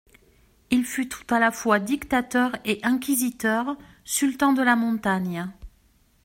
Il fut tout à la fois dictateur et inquisiteur, sultan de la montagne.